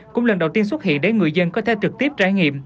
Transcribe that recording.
cũng lần đầu tiên xuất hiện để người dân có thể trực tiếp trải nghiệm